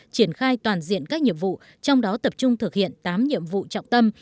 triển khai toàn diện các nhiệm vụ trong đó tập trung thực hiện tám nhiệm vụ trọng tâm